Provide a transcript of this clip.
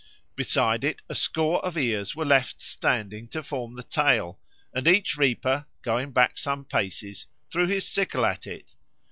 Beside it a score of ears were left standing to form the tail, and each reaper, going back some paces, threw his sickle at it.